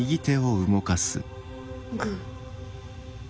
グー。